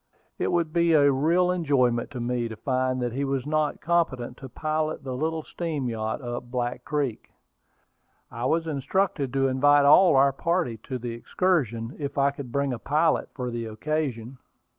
It would be a real enjoyment to me to find that he was not competent to pilot the little steam yacht up Black Creek. I was instructed to invite all our party to the excursion, if I could bring a pilot for the occasion.